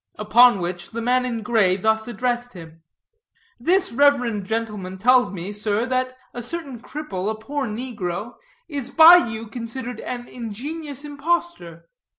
Upon which, the man in gray thus addressed him: "This reverend gentleman tells me, sir, that a certain cripple, a poor negro, is by you considered an ingenious impostor.